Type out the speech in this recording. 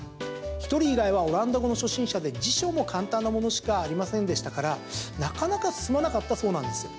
１人以外はオランダ語の初心者で辞書も簡単なものしかありませんでしたからなかなか進まなかったそうなんですよ。